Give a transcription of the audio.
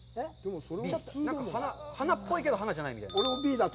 なんか花っぽいけど、花じゃないみたいな。